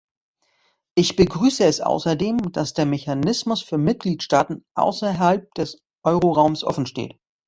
Ich begrüße es außerdem, dass der Mechanismus für Mitgliedstaaten außerhalb des Euroraums offensteht.